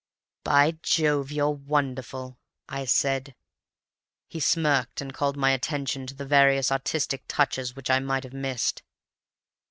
"'By Jove, you're wonderful,' I said. "He smirked, and called my attention to the various artistic touches which I might have missed.